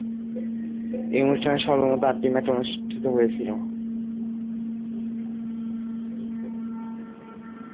এই অনুষ্ঠানে সর্বমোট আটটি ম্যাচ অনুষ্ঠিত হয়েছিল।